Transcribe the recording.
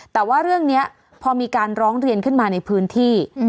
แต่ว่าเรื่องนี้พอมีการร้องเรียนขึ้นมาในพื้นที่